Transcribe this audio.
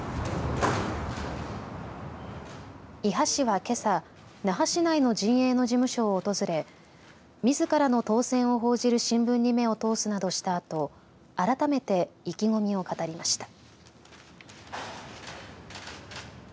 伊波氏は、けさ那覇市内の陣営の事務所を訪れみずからの当選を報じる新聞に目を通すなどしたあと改めて意気込みを語りました。